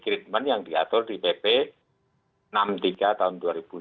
jadi pimpinan yang diatur di bp enam puluh tiga tahun dua ribu lima